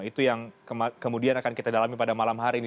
itu yang kemudian akan kita dalami pada malam hari ini